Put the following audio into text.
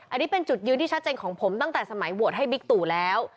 อันนี้เป็นจุดยืนที่ชัดเจนของผมตั้งแต่สมัยโหวตให้บิ๊กตู่แล้ว